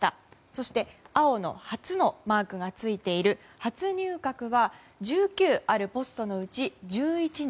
そして、青の初のマークがついている初入閣は１９あるポストのうち１１人。